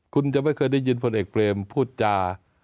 คุณจะไม่เคยได้ยินพลเอกเปรมพูดจา